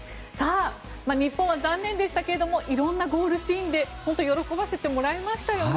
日本は残念でしたけれども色んなゴールシーンで喜ばせてもらえましたよね。